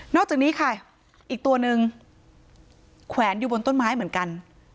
อกจากนี้ค่ะอีกตัวนึงแขวนอยู่บนต้นไม้เหมือนกัน